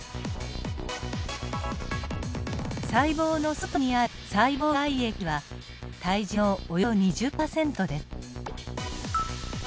細胞の外にある細胞外液は体重のおよそ２０％です。